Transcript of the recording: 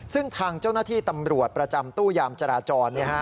ซึ่งทางเจ้าหน้าที่ตำรวจประจำตู้ยามจราจร